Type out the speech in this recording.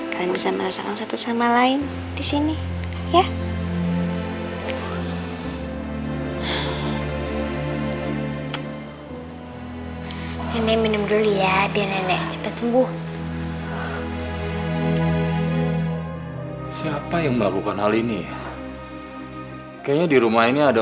kalian bisa merasakan satu sama lain di sini